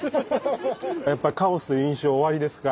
やっぱりカオスという印象おありですか。